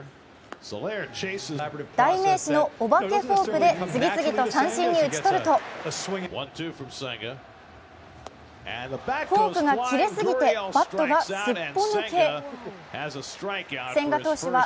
代名詞のお化けフォークで次々と三振に打ち取ると、フォークがキレすぎて、バットがすっぽ抜け。